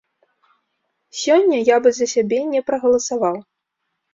Сёння я бы за сябе не прагаласаваў.